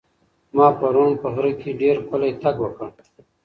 ما پرون په غره کې ډېر پلی تګ وکړ.